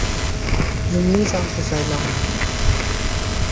এমনিই জানতে চাইলাম।